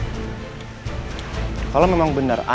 anda adalah orang yang menghamili elsa